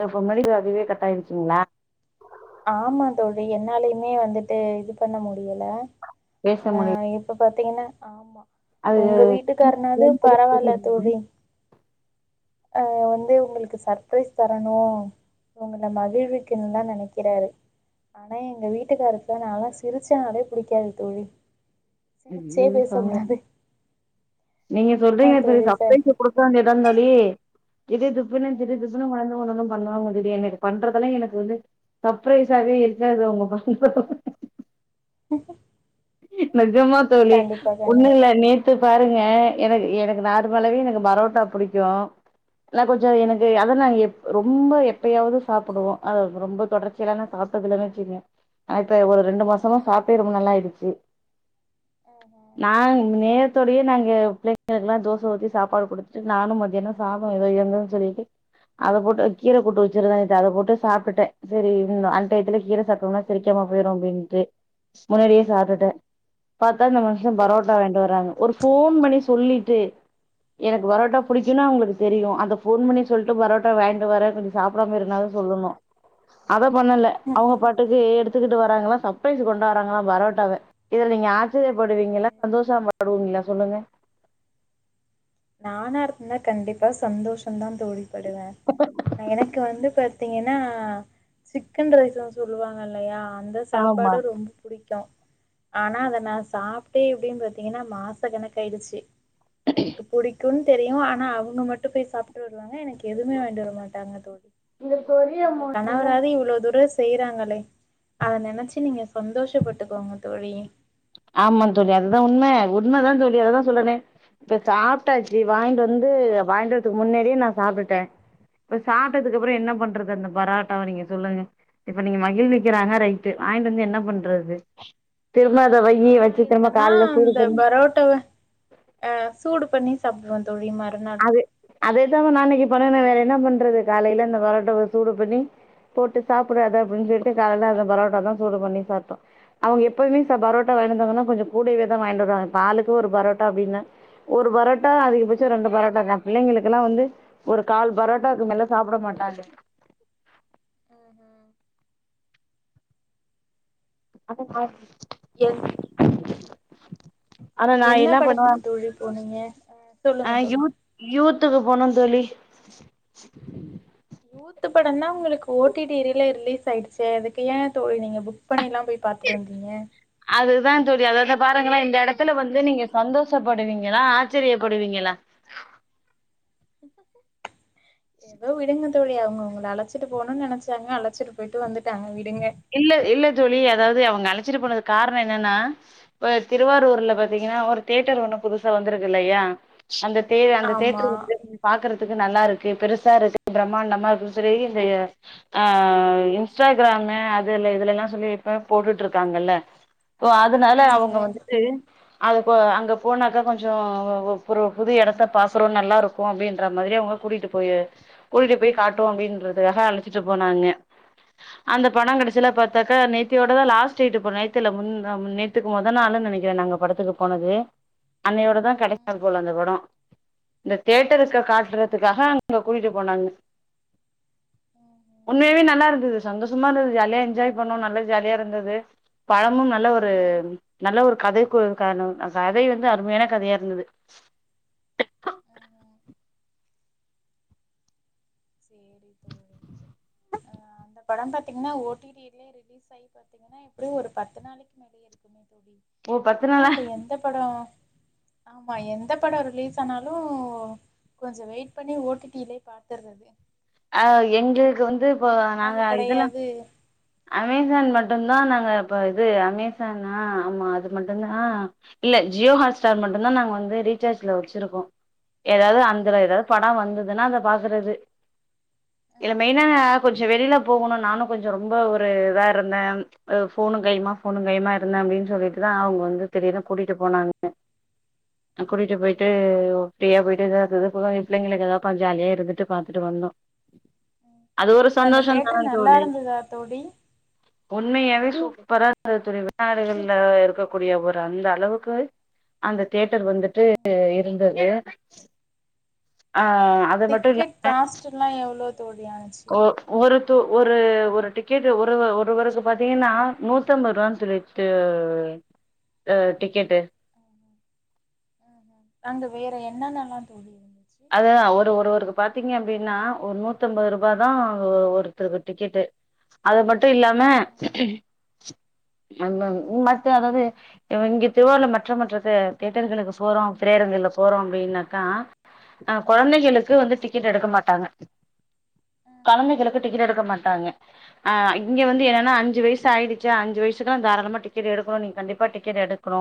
[unintelligible] அதுவே கட்டாயிடுச்சுங்ளா ஆமா தோழி என்னாலயு நீங்க வந்துட்டு இது பண்ண முடியல பேச ந முடிய இப்ப பாத் திங்ன்னா ஆமா அது உங்க வீட்டுக்காரனது பரவால்ல தோழி ஹ வந்து உங்களுக்கு சர்பரைஸ் தரணும் உங்கள மகிழ்விக்குன்னுல்லான் நனை க்கிறாரு ஆனா எங்க வீட்டுக்காருக்கு நா லா சிரிச்சனாலே பிடிக்காது தோழி சிரிச்சே பேசக்கூடாது [unintelligible] நீங்க ஆமா சொல்றீங்க செரி தோழி ச சப்ரைஸ் குடுக்க வேண்டியது தான தோழி ம் திடுதிப்புன்னு-திடுதிப்புன்னு [unintelligible] பண்ணுவாங்க திடீர்னு இது பண்றதெல்லாம் எனக்கு வந்து சர்ப்பிரஸ்யாவே இருக்காது அவுங்க பண்ற [inaudible] [unintelligible] ஜமா தோழி கண்டிப்பா கண்ணு ஒன்னு இல்ல ம் நேத்து பாருங்க எனக்கு-எனக்கு நார்மலாவே எனக்கு பரோட்டா புடிக்கும் ஏனா கொஞ்ச எனக்கு அதை நா எப் ரொம்ப எப்யாவது சாப்புடுவோம் அது ரொம்ப தொடர்ச்சிய [unintelligible] சாப்பட்டதில்ல வெச்சுகங்க ஆ இப்ப ஒரு ரெண்டு மாசமா ம் ம் ம் சாப்ட்டே ரொம்ப நாளாயிடுச்சு ம் ம் ம் ம் ம் நா நேத் அத்தோடயே நாங்க பிள்ளைங்களுக்கெல்லா தோசை ஊத்தி சாப்பாடு குடுத்துட்டு நானும் மத்யானோ சாதோ ஏதோ இருந்ததுன்னு சொல்லிட்டு அத போட்டு கீரை கூட்டு வச்சுருந்தே நேத்து அத போட்டு சாப்டுட்டேன் செரி இருன்னு டயத்துல கீரை சாப்ட்டோம்னா செரிக்காம [unintelligible] அப்டின்ட்டு முன்னாடியே சாப்டுட்டே பாத்தா இந்த மனுஷன் பரோட்டா வாங்கிட்டு வராங்க ஒரு ஃபோன் பண்ணி சொல்லி ட்டு எனக்கு பரோட்டா ம் புடிக்கும்னு அவங்களுக்கு தெரியு அத ஃபோன் பண்ணி சொல்ட்டு பரோட்டா வாங்கிட்டு வரேன் கொஞ்சோ சாப்டாம இருன்னாவது சொல்லணு அத பண்ணல ம் அவங்க பாட்டுக்கு எடுத்துக்கிட்டு ம் வராங்களா சப்ரைஸ் பண் தராங்களா பரோட்டாவ இதுல நீங்க ஆத் ம், ஆச்சரியப்படுவீங்களா ம். சந்தோஷம் படுவீங்களா சொல்லுங்க நானா இருந்தன்னா கண்டிப்பா சந்தோஷந்தா தோழி படுவேன் நா எனக்கு வந்து பாத் த்தீங்கன்னா சிக்கன் ரைஸ்னு சொல்வாங்க இல்லயா அந்த ஆமா சாப்பாடு ரொம்ப புடிக்கு ஆனா அத நான் சாப்ட்டே எப்டின்னு பாத்தீங்கன்னா மாச கணக்கு ஆயிடுச்சு [inaudible] க்குன்னு தெரியு ஆனா அவுங்க மட்டு போய் சாப்ட்டு வருவாங்க எனக் எதுமே வாங்கிட்டு வர மாட்டாங்க தோழி இதற்கு ஒரே உங்க மொதலு கணவராது இவ்ளோ தூர செய்றாங்களே அத நெனைச்சு நீங்க சந்தோஷப்பட்டுக்கோங்க தோழி ஆமாம் தோழி அதுதான் உண்ம உண்மதா தோழி அததான் சொல்றேனே இப்ப சாப்ட்டாச்சு வாங்கிட்டு வந்து வாங்கிட்டு வரதுக்கு முன்னாடியே நான் சாப்ட்டுட்டே இப்ப சாப்ட்டதுக்கு அப்றோ என்ன பண்றது அந்த பராட்டாவ நீங்க சொல்லுங்க இப்ப நீங்க மகிழ்விக்கிறாங்க ரைட்டு வாங்கிட்டு வந்து என்ன பண்றது திரும்ப அத வையி நானா வச்சு திரும்ப இருந்தன்னா காலைல சூடு அந்த பண்ணி பரோட்டாவ ஆ சூடு பண்ணி [unintelligible] தோழி மறுநாள் அதேதா நா அன்னைக்கி பண்ணுன வேற என்ன பண்றது காலைல அந்த பரோட்டாவ சூடு பண்ணி போட்டு சாப்புடு அத அப்டின்னு சொல்ட்டு காலைல அந்த பரோட்டாதா சூடு பண்ணி சாப்ட்டோம் அவங்க எப் எப்பவுமே ச பரோட்டா வாங்கினு வந்தாங்கன்னா கொஞ்சோ [unintelligible] வாங்கிட்டு வருவாங்க ஆளுக்கு ஒரு பரோட்டா அப்டின்னே ஒரு பரோட் ப்பவு அதிகபட்ச ரெண்டு பரோட்டாக்கா பிள்ளைங்களுக்கெல்லா வந்து ஒரு கால் பரோட்டாக்கு மேல சாப்ட மாட்டாங்க ம் ஹும் [inaudible] என் ஆனா நா என்ன பண்ணுவோ படத்துக்கு தோழி போனீங்க அ ஆ சொல்லுங்க தோழி யூத் யூத்துக்கு போணும்ன்னு சொல்லி யூத் படந்தான் உங்களுக்கு ஓ டி டி ரிலே ரிலீஸ் ஆயிடுச்சே அதுக்கு ஏன் தோழி நீங்க புக் பண்ணிலாம் போய் பாத்துட்டு வந்தீங்க அதுதான் தோழி அதது பாருங்களே இந்த இடத்துல வந்து நீங்க சந்தோஷப்படுவீங்களா ஆச்சரியப்படுவீங்களா ஏதோ விடுங்க தோழி அவங்க உங்கள அழசிட்டு போணுன்னு நினச்சாங்க அழசிட்டு போயிட்டு வந்துட்டாங்க விடு இல்ல இல்ல ஜோலி அதாவது அவங்க அழசிட்டு போனது காரணே என்னன்னா ப்ப திருவாரூர்ல பாத்தீங்கன்னா ஒரு தேட்டர் ஒண்ணு புதுசா வந்திருக்கில்லைய அந்த தே அந்த ஆமா தேட்டர் வந்து பாக்கறது க்கு நல்லா இருக்கு பெருசா இருக்கு பிரம்மாண்டமா இருக்கு சரி ஆ இன்ஸ்டாகிராம அ அதுல இதுல எல்லாம் சொல்லி இப்ப போட்டுட்டு இருக்காங்கல்ல ஓ அதுனால அவங்க வந்துட்டு அதுக் இப்போ அங்க போனாக்கா கொஞ்சோ ஓ ஓ ஒரு புது எடத்த பாகுறோம் நல்லா இருக்கும் அப்படின்ற மாறி அவங்க கூட்டிட்டு போய் கூட்டிட்டு போய் காட்டுவோம் அப்டின்றதுகாக அழசிட்டு போனாங்க அந்த பணங் இதுல பாத்தாக்கா நேத்தியோட க்கு முத நாள் நினைக்கேன் நாங்க படத்துக்கு போனது அன்னையோட தான் கிடை ம்ஹும் போல அந்த படம் இந்தட்டரு காட்டுறதுக்காக அங்க கூட்டிட்டு போனாங்க உண்மைய நல்லா இருந்தது சந்தோஷமா இருந்த ஜாலிய என்ஜாய் பண்ணோம் நல்ல ஜாலியா இருந்தது பழமும் நல்ல ஒரு நல்ல ஒரு கதை கதை வந்து அருமையான கதையா இருந்தது ம் ம் சேரி சோழி ம் அந்த படம் பாத்திங்கனா ஒ டி டிலியே ரிலீஸ் ஆய் பாத்தீங்கனா எப்பிடியும் ஒரு பத்து நாளைக்கு மேலையே இருக்குமே ஓ பத்து நாலாம் நாளா இப்ப எந்த படோம் ஆமா எந்த படம் ரிலீஸ் ஆனாலும் கொஞ்சோம் வெயிட் பண்ணி ஓ டி டிலேயே பாதற்றது அஹ் எங்களுக்கு வந்து இப்போ நாங்க ஆளு இதெல்லாம் கெடையாது அமேசான் மட்டும் தான் நாங்க இப்ப இது அமேசான் ஆ ஆமா அது மட்டும் தான் ஆ இல்ல ஜியோ ஹாட் ஸ்டார் மட்டும் தான் நாங்க வந்து ரீசார்ஜ்ல வச்சிருக்கோம் ஏதாவது அந்தல ஏதாவது படம் வந்ததுன்னா அந்த பாக்கரது இல்ல மெயினா கொஞ்சோம் வெளில போகணும் நானும் கொஞ்சம் ரொம் ரொம்ப ஒரு வேற இருந்தேன் ச் போனும் கையுமா போனும் கையுமா இருந்தேன் அப்டின்னு சொல்லிட்டுதான் அவங்க வந்து திடிருனு கூட்டிட்டு போனாங்க கூட்டிட்டு போயிட்டு ஃரீயா போயிட்டு எதா அது அது பிள்ளைங்களுக்கு ஏதா ஜாலியா இருந்துட்டு பாத்துட்டு வந்தோம் அந்த தேட்டர் நல்லா தோழி இருந்ததா தோழி உண்மையாவே சூப்பரா இருந்தது தோழி வெளிநாடுகள்ல இருக்கக்கூடிய ஒரு அந்த அளவுக்கு அந்த ன்டர் வந்துட்டு இருந்தது ஆ அது மட்டும் இல்லா டிக்கெட் காஸ்ட் எல்லாம எவ்ளோ தோடியாச்சி ஒ ஒரு து ஒரு-ஒரு டிக்கெட்டு் ஒரு-ஒருவருக்கு பாத்தீங்கன்னா நூத்தம்பது ரூவானு சொல்லிட்டு ஆ டிக்கெட்டு ஆ ஆ அங்க வேற என்னன்னல்லா தோன்றியது அதான் ஒரு-ஒரு-ஒரு அது பாத்தீங்க அப்டின்னா ஒரு நூத்தம்பது ரூபாதா ஒருத்தருக்கு டிக்கெட்டு [unintelligible] ட்டு இல்லாம [unintelligible] அந்த இங்க மட்டு அதாவது இங்க திருவாரூர்ல மற்ற-மற்ற ஆ தியேட்டர்களுக்கு போறோ திரையரங்கள்ல போறோ அப்டின்னாக்கா அ கொழந்தைகளுக்கு வந்து டிக்கெட் எடுக்க மாட்டாங்க கொழந்தைகளுக்கு டிக்கெட் எடுக்க மாட் ட்டாங்க ஆ இங்க வந்து என்னன்னா அஞ்சு வயசு ஆயிடுச்சா அஞ்சு வயசுக்குலா தாராளமா டிக்கெட் எடுக்கணு நீ கண்டிப்பா டிக்கெட் எடுக்கணு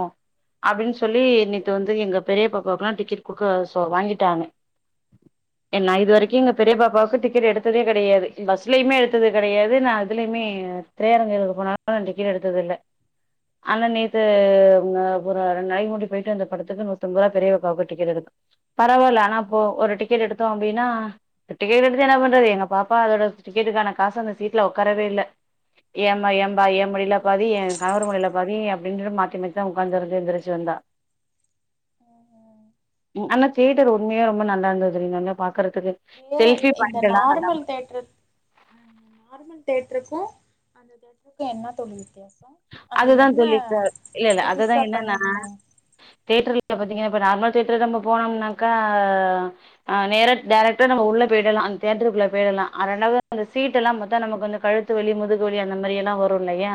அப்டின்னு சொல்லி நேத்து வந்து எங்க பெரிய பாப்பாக்கெலா டிக்கெட் கொடுக்க தோ வாங்கிட்டாங்க என்ன இது வரைக்கு எங்க பெரிய பாப்பாவுக்கு டிக் டிக்கெட் எடுத்ததே கெடையாது பஸ்லயுமே எடுத்தது கெடையாது நான் இதுலயுமே திரையரங்குகளுக்கு போனாலு டிக்கெட் எடுத்ததில்ல ஆனா நேத்து [unintelligible] போயிட்டு அந்த படத்துக்கு நூத்தம்பது ரூபா பெரிய பாப்பாக்கு டிக்கெட் எடுக் பரவால்ல ஆனா இப்போ ஒரு டிக்கெட் எடுத்தோ அப்டின்னா டிக்கெட் எடுத்து என்ன பண்றது எங்க பாப்பா அதோட டிக்கெட்டுக்கான காசு அந்த சீட்ல உக்காரவே இல்ல ஏம்மா ஏம்பா ஏம்பா ஏன் மடில பாதி ஏன் கணவர் மடில பாதி அப்டின்னு மாத்தி மாத்திதா உக்காந்தெந்திரிச்சு வந்தோ ம் அந்த தியேட்டர் உண்மையா ரொம்ப நல்லா இருந்தது இங்க இருந்து பா கடக்குது வேற செல்பி இந்த பாயிண்ட் எல்லா நல்லா நார்மல் தியேட்ருக்கும் அந்த [unintelligible] வித்யாசோ அதுதா சொல்லிருக்க இல்ல-இல்ல அதுதா புதுசா என்னன்னா பண்ணிருந்தாங்க தியேட்டர்ல பாத்தீங்கனா இப்ப நார்மல் தியேட்டர் நம்ப போனோம்னாக்கா ஆ நேரா டைரக்டா நம்ம உள்ள போயிடலா அந்த தியேட்டர்க்குள்ள போயிரலா ஆ ரெண்டாவது அந்த சீட்டெல்லா பாத்தா நமக்கு வந்து கழுத்து வலி முதுகு வலி அந்த மாரி எல்லா வரு இல்லையா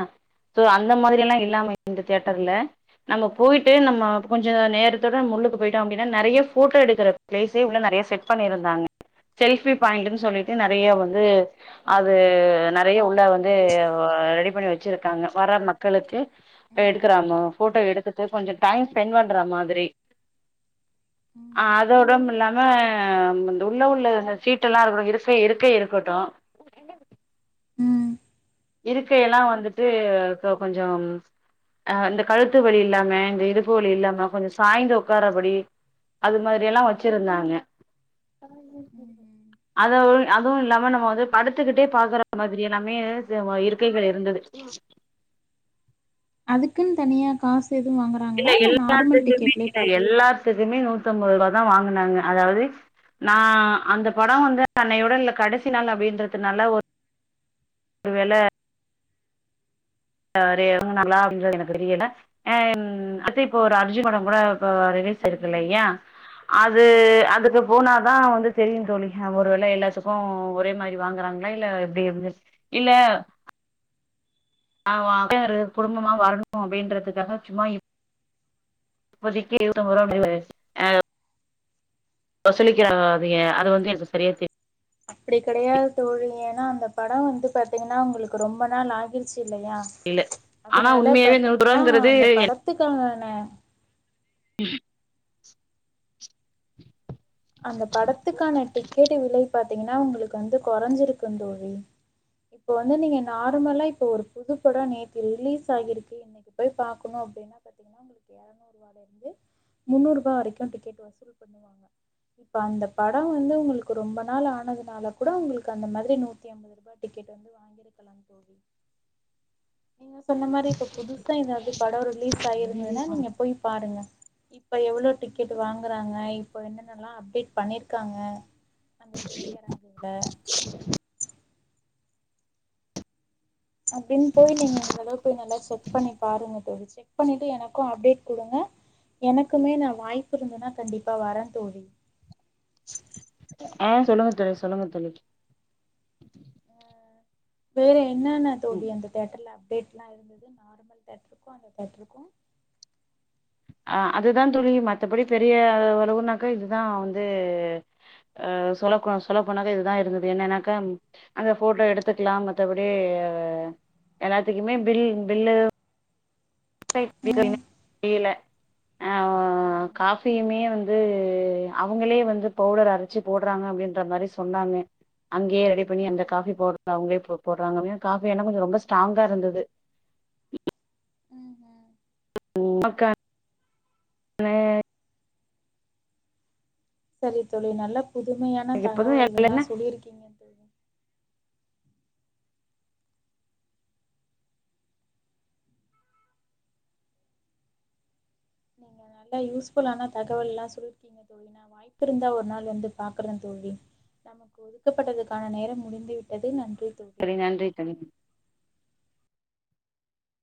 சோ அந்த மாதிரி எல்லா இல்லாம இந்த தியேட்டர்ல நம்ம போயிட்டு நம்ம கொஞ்ச நேரத்தோட முன்னுக்கு போயிட்டோ அப்டின்னா நெறைய ஃபோட்டோ எடுக்கிற பிளேஸே உள்ள நெறைய செட் பண்ணியிருந்தாங்க செல்ஃபி பாய்ன்ட்டுனு சொல்லிட்டு நெறைய வந்து அது நெறைய உள்ள வந்து ரெடி பண்ணி வச்சிருக்காங்க வர மக்களுக்கு ஆ ம் ம் ம் எடுக்கறாங்கோ ஃபோட்டோ எடுத்துட்டு கொஞ்ச டைம் ஸ்பெண்ட் பண்ற மாதிரி ஆ அதோடமில்லாம வந்து உள்ள-உள்ள சீட்டெல்லா இருக்கு-இருக்கை-இருக்கட்டு [inaudible] ம் இருக்கையெல்லா வந்துட்டு இப்ப கொஞ்சோ ஆ இந்த கழுத்து வலி இல்லாம இந்த இடுப்பு வலி இல்லாம கொஞ்ச சாய்ந்து உட்காரபடி அது மாரி அது எல்லா வச்சிருந்தாங்க ம் [inaudible] ம் ம் அத அதும் இல் இல்லாம நம்ம வந்து படுத்துக்கிட்டே பாக்குற மாதிரி [unintelligible] [unintelligible] இருக்கைகள் இருந்தது ம் க்குன்னு தனியாக காசு எதுவும் இல்ல வாங்குறாங்களா நார்மல் டிக்கெட்லயே எல்லாத்துக்குமே-இல்ல பாக்கலாமா எல்லாத்துக்குமே நூத் த்தம்பது ரூபாதா வாங்குனாங்க அதாவது நா அந்த படோ வந்து அன்னையோட கடைசி நாள் அப்டின்றதுனால ஒருவேள [unintelligible] ஆ அது இப்ப ஒரு அர்ஜூன் படோங் கூட ப்போ ரிலீஸ் ம் ஆய்ருக்குலையா அது அதுக்கு போனாதா வந்து தெரியு தோழி ஹ ஒரு ஆமா வேளை தோழி எல்லாத்துக்கும் ஒரே மாரி ப்டி வாங்கறாங்களா இல்ல எப்டி வந்து இல்ல ஆஹ் [unintelligible] குடும்பமா வரணும் அப்படின்றதுக்காக சும்மா [unintelligible] ஆ [unintelligible] அது வந்து எனக்கு சரியா தெ அப்டி கெடையாது தோழி ஏன்னா அந்த படோ வந்து பாத்தீங்கன்னா உங்களுக்கு ரொம்ப நாள் ஆகிடுச்சு இல்லையா ஆனா அதனால உண்மையாவே இந்த நூத்து பாத்தீங்கன்னா ரூபாங்கிறது அந்த படத்துக்க ஆ ம் அந்த படத்துக்கான டிக்கெட் விலை பாத்தீங்கன்னா உங்களுக்கு வந்து குறைஞ்சிருக்கு தோழி இப்ப வந்து நீங்க நார்மலா இப்ப ஒரு புது படம் நேற்று ரிலீஸ் ஆகிருக்கு இன்னைக்கு போய் பாக்கணும் அப்படின்னா பாத்தீங்கன்னா உங்களுக்கு இரநூறு ரூவால இருந்து முன்னூறு ரூபா் வரைக்கும் டிக்கெட் வசூல் பண்ணுவாங்க இப்ப அந்த படோ வந்து உங்களுக்கு ரொம்ப நாள் ஆனதுனால கூட உங்களுக்கு அந்த மாதிரி நூத்தி அம்பது ரூபா டிக்கெட் வந்து வாங்கிருக்கலா தோழி நீங்க சொன்ன மாரி இப்ப புதுசா ஏதாவது படோ ரிலீஸ் [unintelligible] இருந்ததுன்னா நீங்க போய் பாருங்க இப்ப எவ்வளவு டிக்கெட் வாங்குறாங்க இப்ப என்ன ல்லாம் அப்டேட் பண்ணிருக்காங்க அந்த திரையரங்குல அப்டின்னு போய் நீங்க இன்னொரு தடவ போய் நல்லா செக் பண்ணி பாருங்க தோழி செக் பண்ணிட்டு எனக்கும் அப்டேட் குடுங்க எனக்குமே நா வாய்ப்பு இருந்ததுன்னா கண்டிப்பா வரேன் தோழி ஆஹ் சொல்லுங்க தோழி சொல்லுங்க தோழி வேற என்ன என்ன தோழி அந்த தியேட்டர்ல ரேட்லா இருந்தது நார்மல் தியேட்டர்க்கு அந்த தியேட்டர்க்கு அ அதுதான் துளி மற்றபடி பெரிய வலவுனாக்கா இதுதான் வந்து அ சொல்லக்க சொல்ல போனக்கா இதுதான் இருந்தது என்னன்னாக்கா அந்த போட்டோ எடுத்துக்கலாம் மற்றபடி எல்லாத்துக்குமே பில் பில்லு ம் தெரியல ஆ ம்ஹும் காஃபியுமே வந் வந்து அவங்களே வந்து பவுடர் அரைச்சு போடுறாங்க அப்டின்ற மாரி சொன்னாங்க அங்கயே ரெடி பண்ணி அந்த காஃபி ம்ஹும் போடுறது அவங்களே போ போடுறாங்கா காபினா கொஞ்சம் ரொம்ப ஸ்ட்ராங்கா இருந்தது உம் ஹ [unintelligible] சரி தோழி நல்ல புதுமையான இப்போதும் தகவல்கள்ல்லாம் சொல்லியிருக்கீங்க தோழி நீங்க நல்லா யூஸ்புல்லான தகவல்லாம் சொல்லிருக்கீங்க தோழி நான் வாய்ப்பு இருந்தா ஒரு நாள் வந்து பாக்குறேன் தோழி நமக்கு ஒதுக்கப்பட்டதுக்கான நேரம் முடிந்து விட்டது நன்றி தோழி செரி நன்றி தோழி